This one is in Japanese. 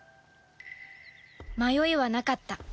迷いはなかった